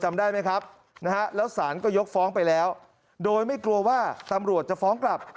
จำได้ไหมครับนะฮะแล้วสารก็ยกฟ้องไปแล้วโดยไม่กลัวว่าตำรวจจะฟ้องกลับ